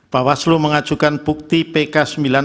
bawaslu mengajukan bukti pk sembilan puluh